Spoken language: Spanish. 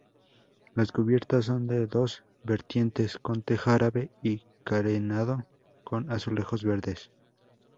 Las cubiertas son de dos vertientes con teja árabe y carenado con azulejos verdes.